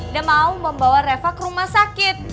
dan mau membawa reva ke rumah sakit